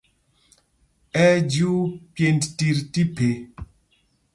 Ɛ́ ɛ́ jyuu pyēnd tit tí phe.